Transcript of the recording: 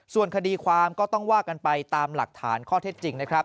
ส่วนคดีความก็ต้องว่ากันไปตามหลักฐานข้อเท็จจริงนะครับ